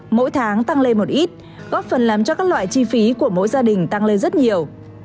mỗi tháng tăng lên một ít góp phần làm cho các loại chi phí của mỗi gia đình tăng lên rất nhiều